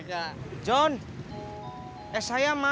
terima kasih nyaka